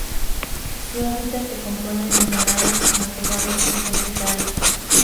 Su hábitat se compone de humedales, matorrales, y pastizales.